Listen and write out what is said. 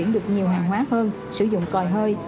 được nhiều hàng hóa hơn sử dụng còi hơi